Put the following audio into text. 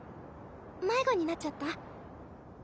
迷子になっちゃった？